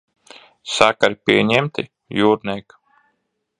Sakari pieņemti, jūrniek?